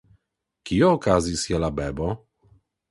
Kio okazis je la bebo?